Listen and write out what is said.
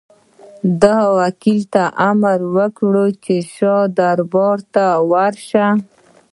ده وکیل ته امر وکړ چې د شاه دربار ته ورسي.